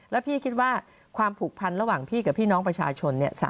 แล้วพี่คิดว่าความผูกพันระหว่างพี่กับพี่น้องประชาชน